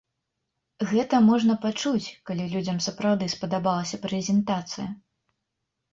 Гэта можна пачуць, калі людзям сапраўды спадабалася прэзентацыя!